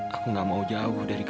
saya tidak mau jauh dari awak